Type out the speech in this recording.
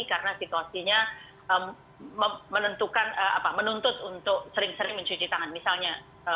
karena situasinya menuntut untuk sering sering mencuci tangan misalnya